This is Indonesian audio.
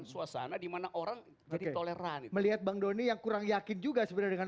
suasana dimana orang jadi toleran melihat bang doni yang kurang yakin juga sebenarnya dengan